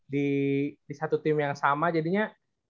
di satu tim yang sama jadinya